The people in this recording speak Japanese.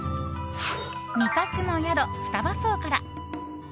味覚の宿、双葉荘から。